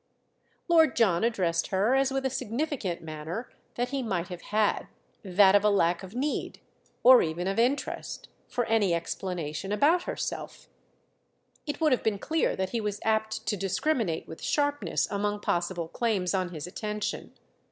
Lord John addressed her as with a significant manner that he might have had—that of a lack of need, or even of interest, for any explanation about herself: it would have been clear that he was apt to discriminate with sharpness among possible claims on his attention.